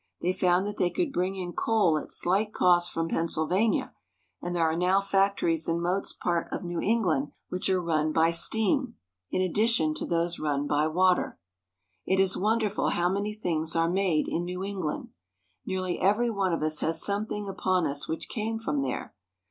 They found that they could bring in coal at slight cost from Pennsylvania, and there are now factories in most parts of New England which are run by steam, in addition to those run by water. It is wonderful how many things are made in New Eng land. Nearly every one of us has something upon us which came from there.